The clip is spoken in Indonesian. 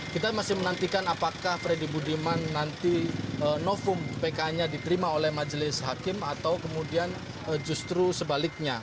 kita masih menantikan apakah freddy budiman nanti nofum pk nya diterima oleh majelis hakim atau kemudian justru sebaliknya